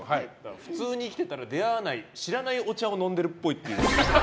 普通に生きてたら出会わない知らないお茶を飲んでいるっぽい。